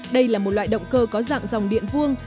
đây là một loại động cơ có dạng dòng điện vuông